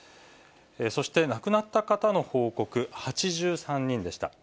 そして、亡くなった方の報告、８３人でした。